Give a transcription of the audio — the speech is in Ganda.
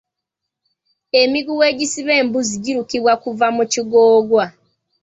Emiguwa egisiba embuzi girukibwa kuva mu kigoogwa.